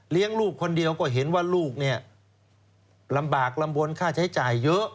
เลี้ยงลูกคนเดียวก็เห็นว่าลูกลำบากลำบวนค่าใช้จ่ายเยอะ